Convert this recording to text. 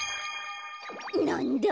なんだ？